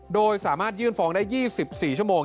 โดยสามารถยื่นฟ้องได้๒๔ชั่วโมง